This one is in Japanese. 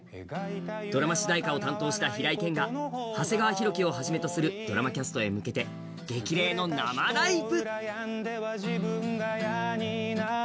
ドラマ主題歌を担当した平井堅が長谷川博己らドラマキャストへ向けて激励の生ライブ。